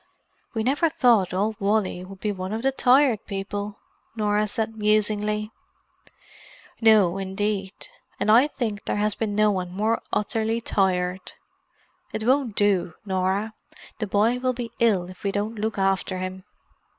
"We never thought old Wally would be one of the Tired People," Norah said musingly. "No, indeed. And I think there has been no one more utterly tired. It won't do, Norah: the boy will be ill if we don't look after him."